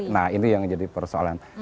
nah ini yang jadi persoalan